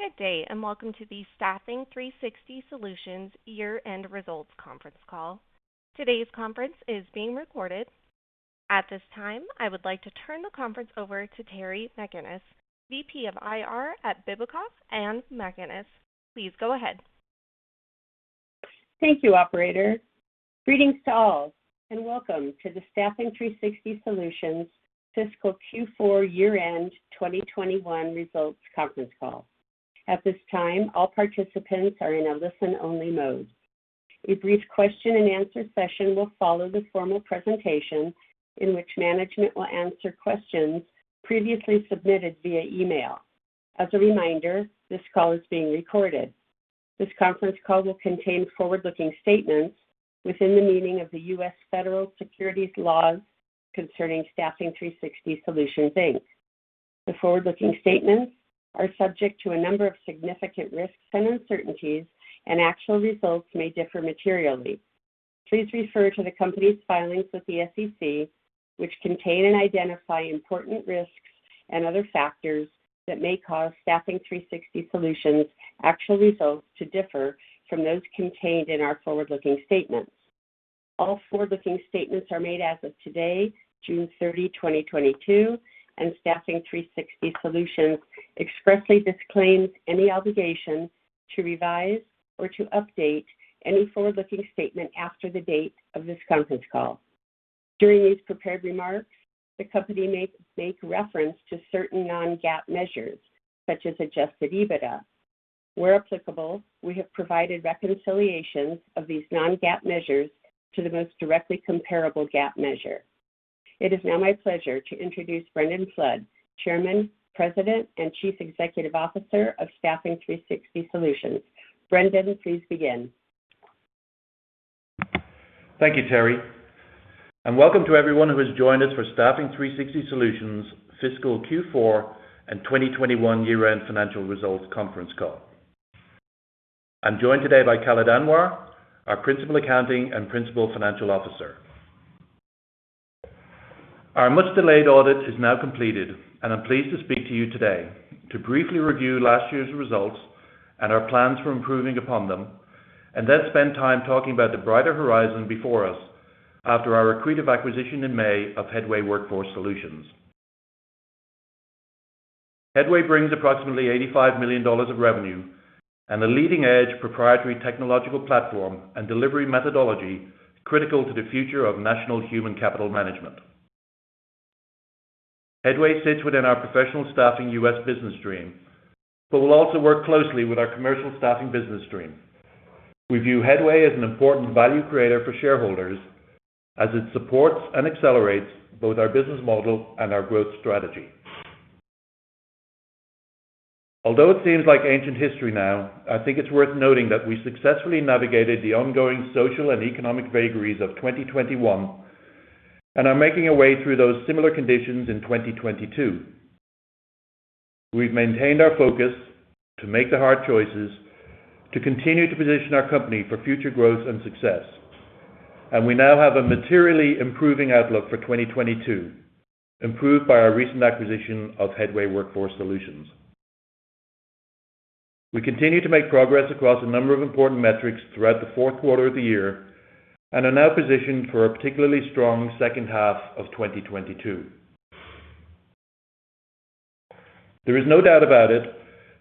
Good day, and welcome to the Staffing 360 Solutions year-end results conference call. Today's conference is being recorded. At this time, I would like to turn the conference over to Terri MacInnis, VP of IR at Bibicoff and MacInnis. Please go ahead. Thank you, Operator. Greetings to all, and welcome to the Staffing 360 Solutions fiscal Q4 year-end 2021 results conference call. At this time, all participants are in a listen-only mode. A brief question and answer session will follow the formal presentation in which management will answer questions previously submitted via email. As a reminder, this call is being recorded. This conference call will contain forward-looking statements within the meaning of the U.S. Federal Securities laws concerning Staffing 360 Solutions, Inc. The forward-looking statements are subject to a number of significant risks and uncertainties, and actual results may differ materially. Please refer to the company's filings with the SEC, which contain and identify important risks and other factors that may cause Staffing 360 Solutions' actual results to differ from those contained in our forward-looking statements. All forward-looking statements are made as of today, June 30, 2022, and Staffing 360 Solutions expressly disclaims any obligation to revise or to update any forward-looking statement after the date of this conference call. During these prepared remarks, the company may make reference to certain Non-GAAP measures, such as Adjusted EBITDA. Where applicable, we have provided reconciliations of these Non-GAAP measures to the most directly comparable GAAP measure. It is now my pleasure to introduce Brendan Flood, Chairman, President, and Chief Executive Officer of Staffing 360 Solutions. Brendan, please begin. Thank you, Terri, and welcome to everyone who has joined us for Staffing 360 Solutions' fiscal Q4 and 2021 year-end financial results conference call. I'm joined today by Khalid Anwar, our Principal Accounting and Principal Financial Officer. Our much-delayed audit is now completed. I'm pleased to speak to you today to briefly review last year's results and our plans for improving upon them, then spend time talking about the brighter horizon before us after our accretive acquisition in May of Headway Workforce Solutions. Headway brings approximately $85 million of revenue and a leading-edge proprietary technological platform and delivery methodology critical to the future of national human capital management. Headway sits within our Professional Staffing U.S. business stream, but will also work closely with our Commercial Staffing business stream. We view Headway as an important value creator for shareholders as it supports and accelerates both our business model and our growth strategy. Although it seems like ancient history now, I think it's worth noting that we successfully navigated the ongoing social and economic vagaries of 2021 and are making our way through those similar conditions in 2022. We've maintained our focus to make the hard choices to continue to position our company for future growth and success, and we now have a materially improving outlook for 2022, improved by our recent acquisition of Headway Workforce Solutions. We continue to make progress across a number of important metrics throughout the fourth quarter of the year and are now positioned for a particularly strong second half of 2022. There is no doubt about it,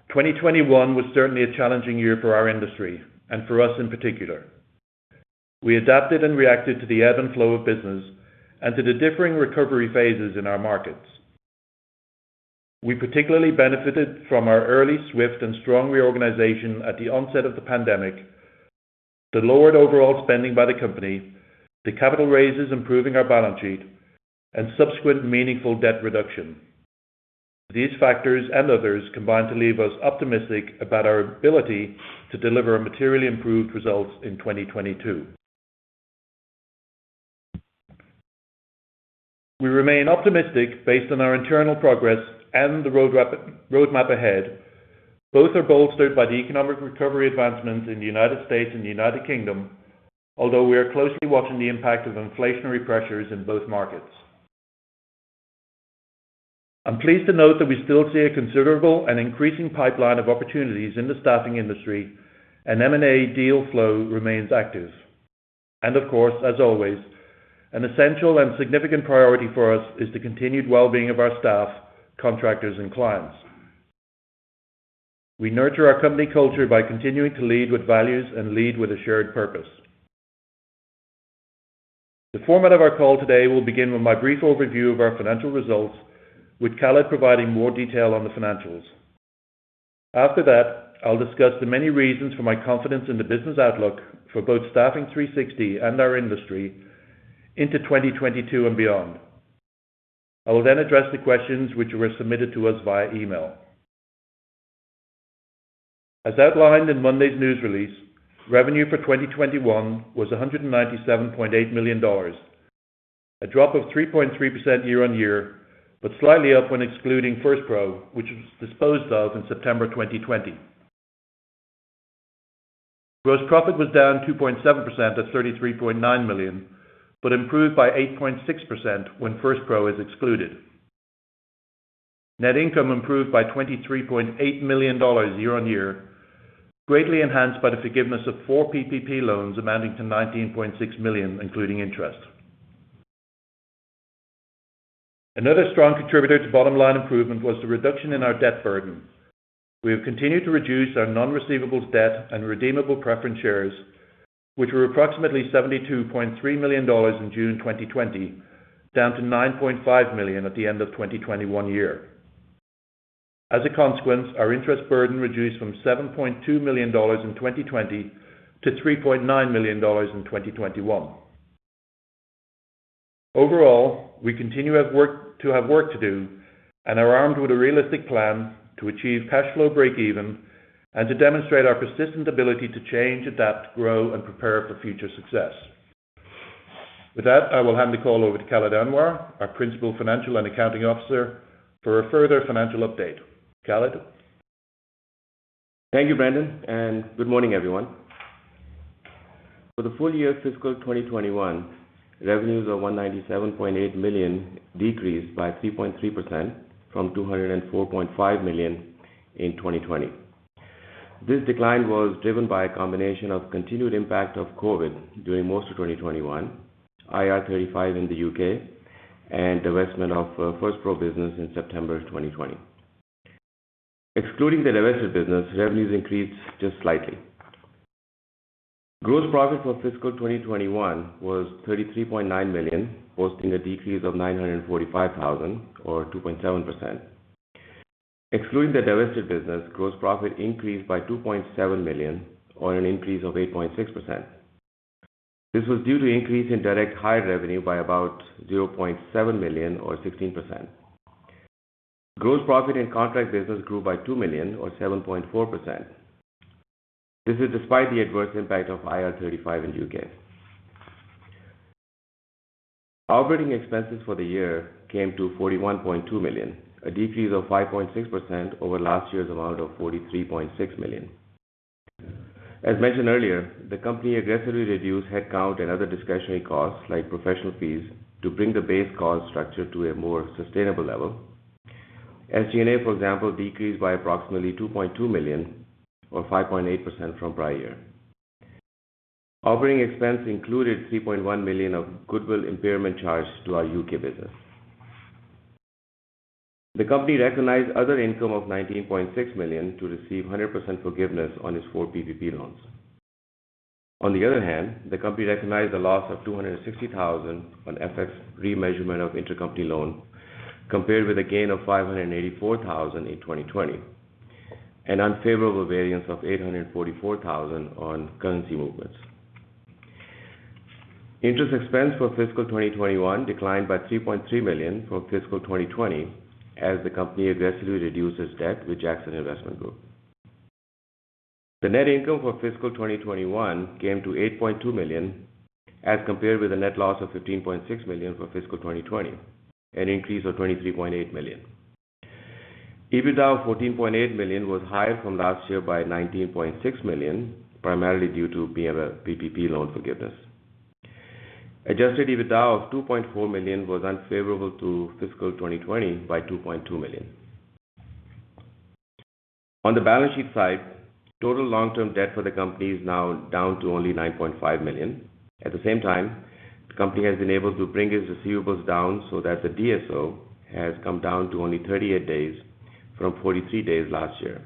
2021 was certainly a challenging year for our industry and for us in particular. We adapted and reacted to the ebb and flow of business and to the differing recovery phases in our markets. We particularly benefited from our early, swift, and strong reorganization at the onset of the pandemic, the lowered overall spending by the company, the capital raises improving our balance sheet, and subsequent meaningful debt reduction. These factors and others combined to leave us optimistic about our ability to deliver materially improved results in 2022. We remain optimistic based on our internal progress and the roadmap ahead. Both are bolstered by the economic recovery advancements in the United States and the United Kingdom, although we are closely watching the impact of inflationary pressures in both markets. I'm pleased to note that we still see a considerable and increasing pipeline of opportunities in the staffing industry, and M&A deal flow remains active. Of course, as always, an essential and significant priority for us is the continued well-being of our staff, contractors and clients. We nurture our company culture by continuing to lead with values and lead with a shared purpose. The format of our call today will begin with my brief overview of our financial results, with Khalid providing more detail on the financials. After that, I'll discuss the many reasons for my confidence in the business outlook for both Staffing 360 and our industry into 2022 and beyond. I will then address the questions which were submitted to us via email. As outlined in Monday's news release, revenue for 2021 was $197.8 million, a drop of 3.3% year-on-year, but slightly up when excluding FirstPRO, which was disposed of in September 2020. Gross profit was down 2.7% at $33.9 million, but improved by 8.6% when FirstPRO is excluded. Net income improved by $23.8 million year-on-year, greatly enhanced by the forgiveness of four PPP loans amounting to $19.6 million, including interest. Another strong contributor to bottom line improvement was the reduction in our debt burden. We have continued to reduce our non-receivables debt and redeemable preference shares, which were approximately $72.3 million in June 2020, down to $9.5 million at the end of 2021. As a consequence, our interest burden reduced from $7.2 million in 2020 to $3.9 million in 2021. Overall, we continue to have work to do and are armed with a realistic plan to achieve cash flow break-even and to demonstrate our persistent ability to change, adapt, grow, and prepare for future success. With that, I will hand the call over to Khalid Anwar, our Principal Financial and Accounting Officer, for a further financial update. Khalid. Thank you, Brendan, and good morning, everyone. For the full year fiscal 2021, revenues of $197.8 million decreased by 3.3% from $204.5 million in 2020. This decline was driven by a combination of continued impact of COVID during most of 2021, IR35 in the U.K., and the divestment of FirstPRO business in September 2020. Excluding the divested business, revenues increased just slightly. Gross profit for fiscal 2021 was $33.9 million, posting a decrease of $945,000 or 2.7%. Excluding the divested business, gross profit increased by $2.7 million on an increase of 8.6%. This was due to increase in direct hire revenue by about $0.7 million or 16%. Gross profit in contract business grew by $2 million or 7.4%. This is despite the adverse impact of IR35 in U.K. Operating expenses for the year came to $41.2 million, a decrease of 5.6% over last year's amount of $43.6 million. As mentioned earlier, the company aggressively reduced headcount and other discretionary costs like professional fees to bring the base cost structure to a more sustainable level. SG&A, for example, decreased by approximately $2.2 million or 5.8% from prior year. Operating expense included $3.1 million of goodwill impairment charge to our U.K. business. The company recognized other income of $19.6 million to receive 100% forgiveness on its 4 PPP loans. On the other hand, the company recognized a loss of $260 thousand on FX remeasurement of intercompany loan compared with a gain of $584 thousand in 2020, an unfavorable variance of $844 thousand on currency movements. Interest expense for fiscal 2021 declined by $3.3 million from fiscal 2020 as the company aggressively reduced its debt with Jackson Investment Group. The net income for fiscal 2021 came to $8.2 million as compared with a net loss of $15.6 million for fiscal 2020, an increase of $23.8 million. EBITDA of $14.8 million was higher from last year by $19.6 million, primarily due to PPP loan forgiveness. Adjusted EBITDA of $2.4 million was unfavorable to fiscal 2020 by $2.2 million. On the balance sheet side, total long-term debt for the company is now down to only $9.5 million. At the same time, the company has been able to bring its receivables down so that the DSO has come down to only 38 days from 43 days last year,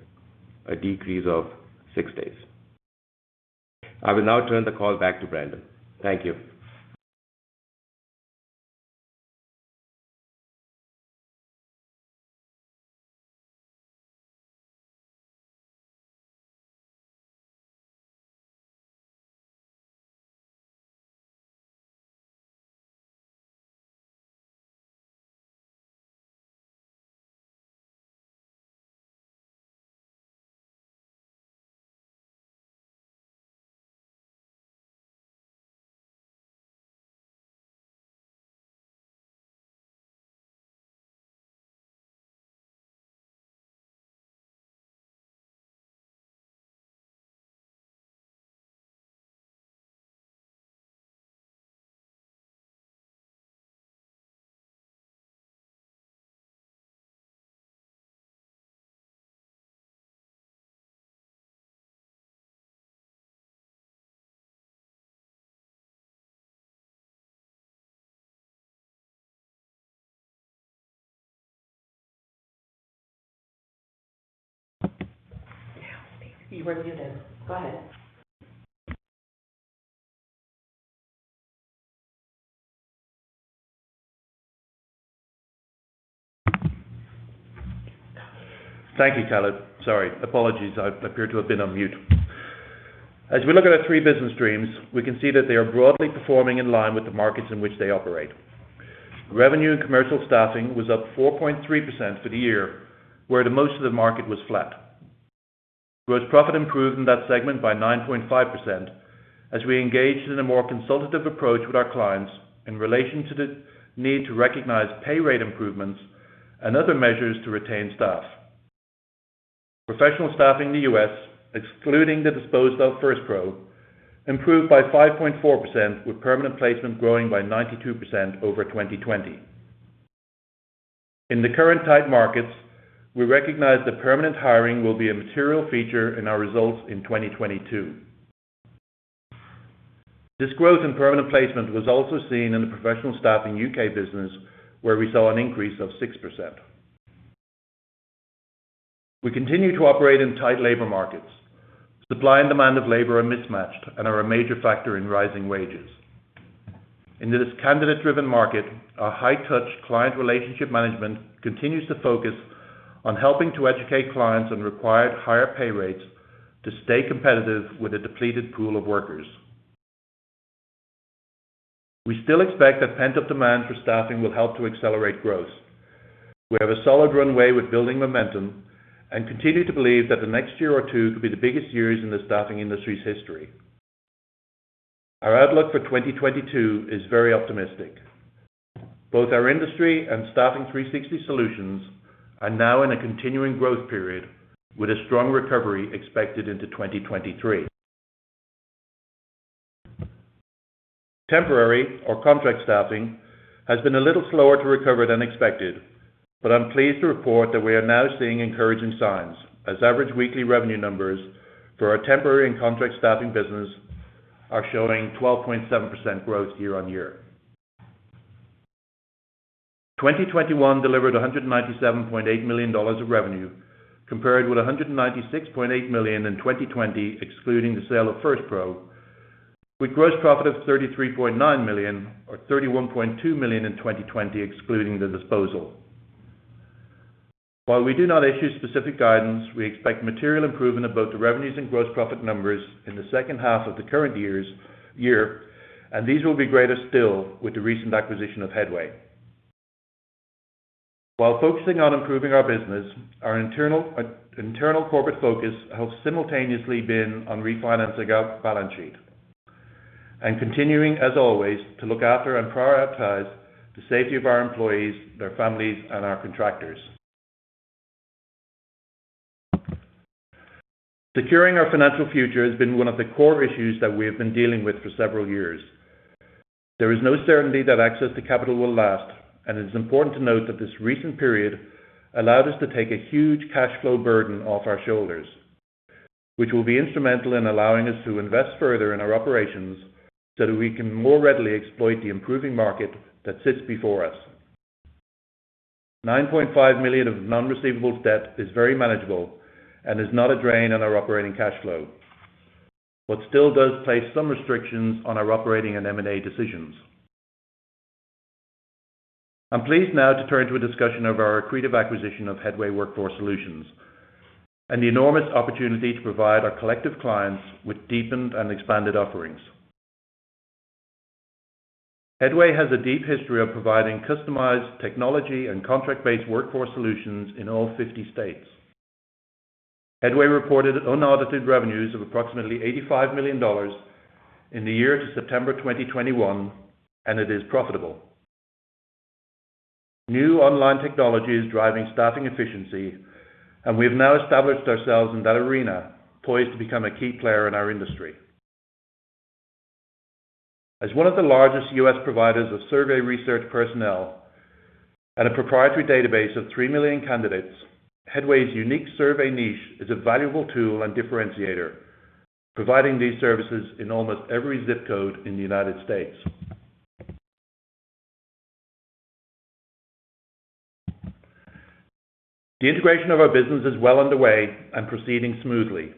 a decrease of 6 days. I will now turn the call back to Brendan. Thank you. You were muted. Go ahead. Thank you, Khalid. Sorry. Apologies. I appear to have been on mute. As we look at our three business streams, we can see that they are broadly performing in line with the markets in which they operate. Revenue in commercial staffing was up 4.3% for the year, while the most of the market was flat. Gross profit improved in that segment by 9.5% as we engaged in a more consultative approach with our clients in relation to the need to recognize pay rate improvements and other measures to retain staff. Professional staffing in the U.S., excluding the disposed of FirstPRO, improved by 5.4% with permanent placement growing by 92% over 2020. In the current tight markets, we recognize that permanent hiring will be a material feature in our results in 2022. This growth in permanent placement was also seen in the professional staffing U.K. business, where we saw an increase of 6%. We continue to operate in tight labor markets. Supply and demand of labor are mismatched and are a major factor in rising wages. In this candidate-driven market, our high touch client relationship management continues to focus on helping to educate clients on required higher pay rates to stay competitive with a depleted pool of workers. We still expect that pent-up demand for staffing will help to accelerate growth. We have a solid runway with building momentum and continue to believe that the next year or two could be the biggest years in the staffing industry's history. Our outlook for 2022 is very optimistic. Both our industry and Staffing 360 Solutions are now in a continuing growth period with a strong recovery expected into 2023. Temporary or contract staffing has been a little slower to recover than expected, but I'm pleased to report that we are now seeing encouraging signs as average weekly revenue numbers for our temporary and contract staffing business are showing 12.7% growth year-on-year. 2021 delivered $197.8 million of revenue compared with $196.8 million in 2020, excluding the sale of FirstPRO, with gross profit of $33.9 million or $31.2 million in 2020, excluding the disposal. While we do not issue specific guidance, we expect material improvement of both the revenues and gross profit numbers in the second half of the current year, and these will be greater still with the recent acquisition of Headway. While focusing on improving our business, our internal corporate focus has simultaneously been on refinancing our balance sheet and continuing, as always, to look after and prioritize the safety of our employees, their families, and our contractors. Securing our financial future has been one of the core issues that we have been dealing with for several years. There is no certainty that access to capital will last, and it is important to note that this recent period allowed us to take a huge cash flow burden off our shoulders, which will be instrumental in allowing us to invest further in our operations so that we can more readily exploit the improving market that sits before us. $9.5 million of non-receivable debt is very manageable and is not a drain on our operating cash flow, but still does place some restrictions on our operating and M&A decisions. I'm pleased now to turn to a discussion of our accretive acquisition of Headway Workforce Solutions and the enormous opportunity to provide our collective clients with deepened and expanded offerings. Headway has a deep history of providing customized technology and contract-based workforce solutions in all 50 states. Headway reported unaudited revenues of approximately $85 million in the year to September 2021, and it is profitable. New online technology is driving staffing efficiency, and we have now established ourselves in that arena, poised to become a key player in our industry. As one of the largest U.S. providers of survey research personnel and a proprietary database of 3 million candidates, Headway's unique survey niche is a valuable tool and differentiator, providing these services in almost every zip code in the United States. The integration of our business is well underway and proceeding smoothly.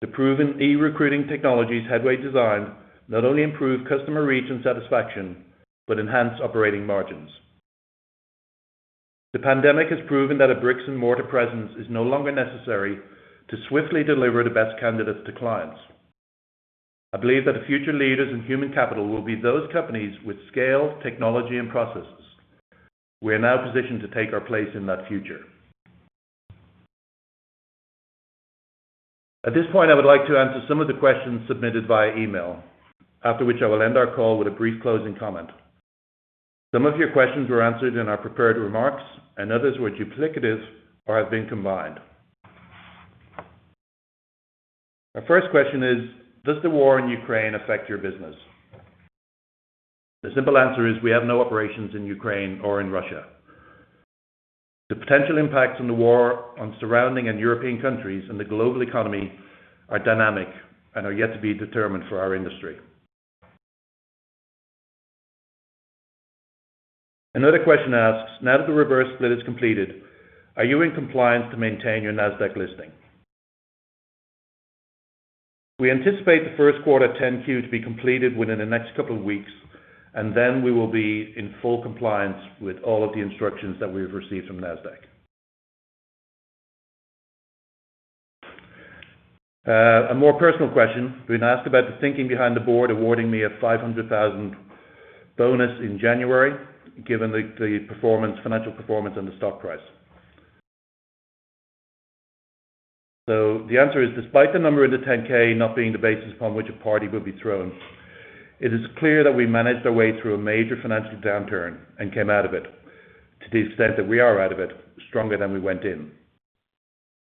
The proven e-recruiting technologies Headway designed not only improve customer reach and satisfaction but enhance operating margins. The pandemic has proven that a bricks and mortar presence is no longer necessary to swiftly deliver the best candidates to clients. I believe that the future leaders in human capital will be those companies with scale, technology, and processes. We are now positioned to take our place in that future. At this point, I would like to answer some of the questions submitted via email. After which I will end our call with a brief closing comment. Some of your questions were answered in our prepared remarks, and others were duplicative or have been combined. Our first question is, does the war in Ukraine affect your business? The simple answer is we have no operations in Ukraine or in Russia. The potential impacts of the war on surrounding and European countries and the global economy are dynamic and are yet to be determined for our industry. Another question asks, now that the reverse split is completed, are you in compliance to maintain your Nasdaq listing? We anticipate the first quarter 10-Q to be completed within the next couple of weeks, and then we will be in full compliance with all of the instructions that we have received from Nasdaq. A more personal question. We've been asked about the thinking behind the board awarding me a $500,000 bonus in January, given the performance, financial performance and the stock price. The answer is, despite the number in the 10-K not being the basis upon which a party will be thrown, it is clear that we managed our way through a major financial downturn and came out of it to the extent that we are out of it stronger than we went in.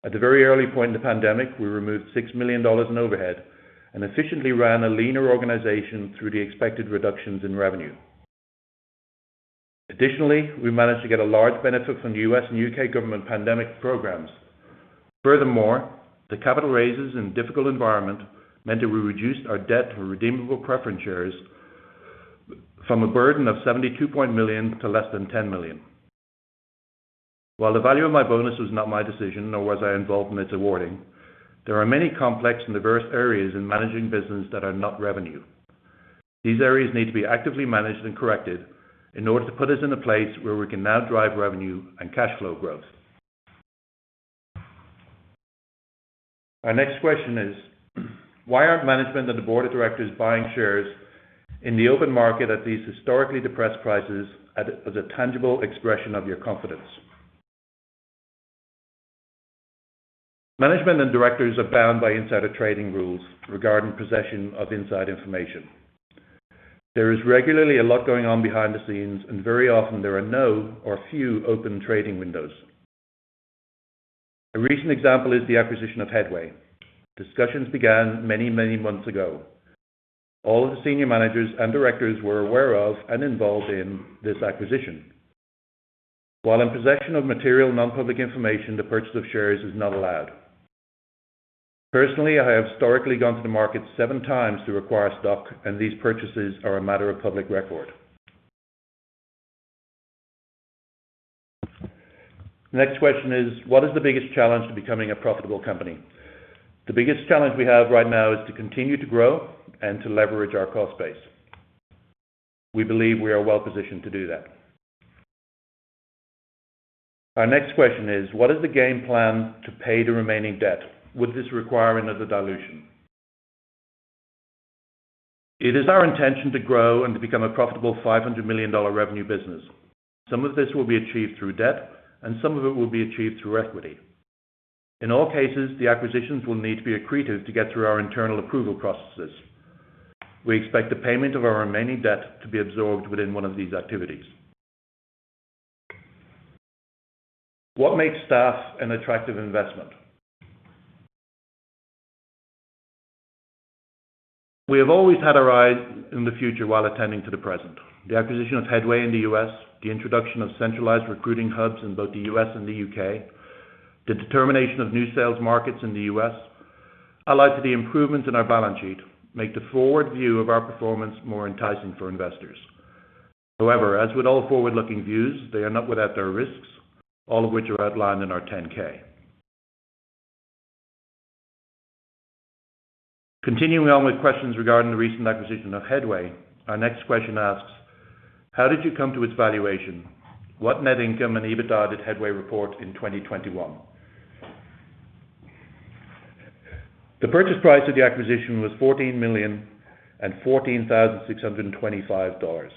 At a very early point in the pandemic, we removed $6 million in overhead and efficiently ran a leaner organization through the expected reductions in revenue. Additionally, we managed to get a large benefit from the U.S. and U.K. government pandemic programs. Furthermore, the capital raises in a difficult environment meant that we reduced our debt to redeemable preference shares from a burden of $72 million to less than $10 million. While the value of my bonus was not my decision, nor was I involved in its awarding, there are many complex and diverse areas in managing business that are not revenue. These areas need to be actively managed and corrected in order to put us in a place where we can now drive revenue and cash flow growth. Our next question is, why aren't management and the board of directors buying shares in the open market at these historically depressed prices at, as a tangible expression of your confidence? Management and directors are bound by insider trading rules regarding possession of inside information. There is regularly a lot going on behind the scenes, and very often there are no or few open trading windows. A recent example is the acquisition of Headway. Discussions began many, many months ago. All of the senior managers and directors were aware of and involved in this acquisition. While in possession of material non-public information, the purchase of shares is not allowed. Personally, I have historically gone to the market seven times to acquire stock, and these purchases are a matter of public record. Next question is, what is the biggest challenge to becoming a profitable company? The biggest challenge we have right now is to continue to grow and to leverage our cost base. We believe we are well positioned to do that. Our next question is, what is the game plan to pay the remaining debt? Would this require another dilution? It is our intention to grow and to become a profitable $500 million revenue business. Some of this will be achieved through debt and some of it will be achieved through equity. In all cases, the acquisitions will need to be accretive to get through our internal approval processes. We expect the payment of our remaining debt to be absorbed within one of these activities. What makes Staffing 360 Solutions an attractive investment? We have always had our eyes on the future while attending to the present. The acquisition of Headway in the U.S., the introduction of centralized recruiting hubs in both the U.S. and the U.K., the determination of new sales markets in the U.S., allied to the improvements in our balance sheet, make the forward view of our performance more enticing for investors. However, as with all forward-looking views, they are not without their risks, all of which are outlined in our 10-K. Continuing on with questions regarding the recent acquisition of Headway, our next question asks, how did you come to its valuation? What net income and EBITDA did Headway report in 2021? The purchase price of the acquisition was $14,014,625.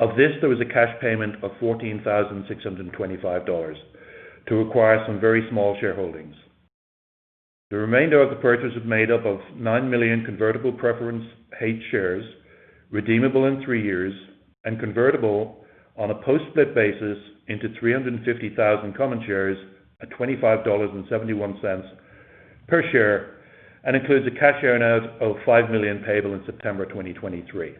Of this, there was a cash payment of $14,625 to acquire some very small shareholdings. The remainder of the purchase is made up of 9 million Series H preferred shares redeemable in three years and convertible on a post-split basis into 350,000 common shares at $25.71 per share and includes a cash earn-out of $5 million payable in September 2023.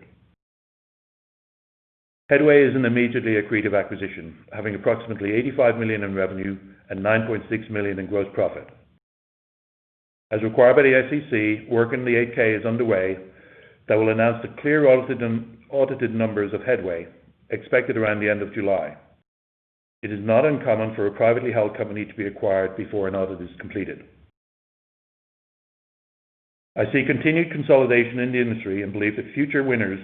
Headway is an immediately accretive acquisition, having approximately $85 million in revenue and $9.6 million in gross profit. As required by the SEC, work on the 8-K is underway that will announce the clearly audited numbers of Headway expected around the end of July. It is not uncommon for a privately held company to be acquired before an audit is completed. I see continued consolidation in the industry and believe that future winners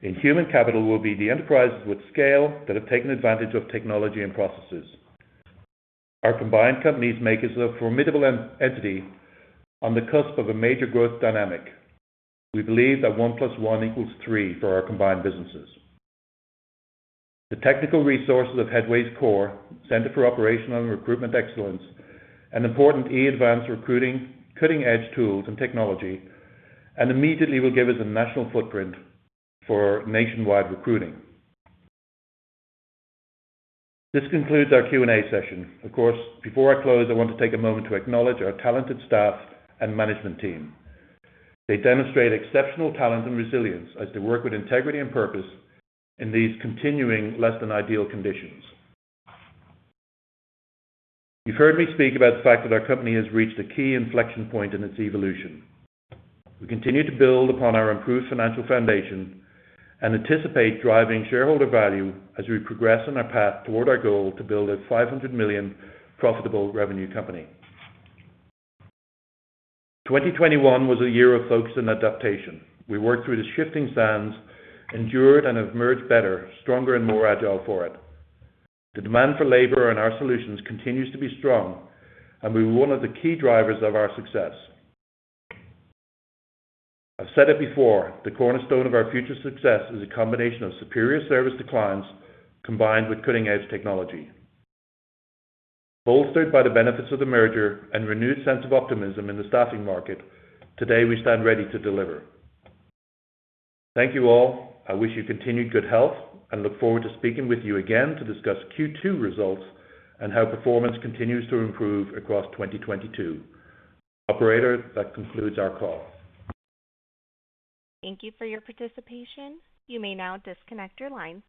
in human capital will be the enterprises with scale that have taken advantage of technology and processes. Our combined companies make us a formidable entity on the cusp of a major growth dynamic. We believe that one plus one equals three for our combined businesses. The technical resources of Headway's CORE, Center for Operational and Recruitment Excellence, and important advanced e-recruiting, cutting-edge tools and technology, and immediately will give us a national footprint for nationwide recruiting. This concludes our Q&A session. Of course, before I close, I want to take a moment to acknowledge our talented staff and management team. They demonstrate exceptional talent and resilience as they work with integrity and purpose in these continuing less than ideal conditions. You've heard me speak about the fact that our company has reached a key inflection point in its evolution. We continue to build upon our improved financial foundation and anticipate driving shareholder value as we progress on our path toward our goal to build a $500 million profitable revenue company. 2021 was a year of focus and adaptation. We worked through the shifting sands, endured, and have emerged better, stronger, and more agile for it. The demand for labor and our solutions continues to be strong and be one of the key drivers of our success. I've said it before, the cornerstone of our future success is a combination of superior service to clients combined with cutting-edge technology. Bolstered by the benefits of the merger and renewed sense of optimism in the staffing market, today we stand ready to deliver. Thank you all. I wish you continued good health and look forward to speaking with you again to discuss Q2 results and how performance continues to improve across 2022. Operator, that concludes our call. Thank you for your participation. You may now disconnect your lines.